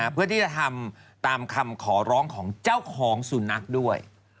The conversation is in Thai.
เพื่อที่จะทำตามคำขอร้องของเจ้าของสุนัขด้วย